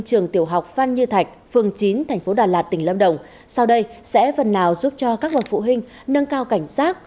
trường tiểu học phan như thạch phường chín thành phố đà lạt tỉnh lâm đồng sau đây sẽ phần nào giúp cho các bậc phụ huynh nâng cao cảnh giác